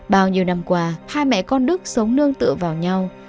bao nhiêu năm qua hai mẹ con đức sống nương tựa vào nhau